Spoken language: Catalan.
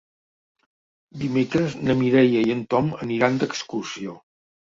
Dimecres na Mireia i en Tom aniran d'excursió.